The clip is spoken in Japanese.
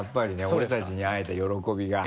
俺たちに会えた喜びが。